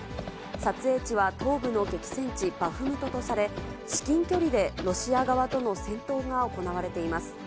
撮影地は東部の激戦地、バフムトとされ、至近距離でロシア側との戦闘が行われています。